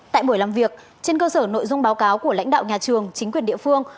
tại buổi làm việc trên cơ sở nội dung báo cáo của lãnh đạo nhà trường chính quyền địa phương